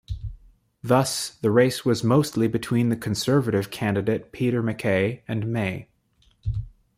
Thus, the race was mostly between Conservative candidate Peter MacKay and May.